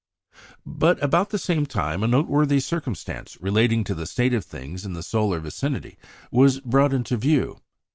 But about the same time a noteworthy circumstance relating to the state of things in the solar vicinity was brought into view.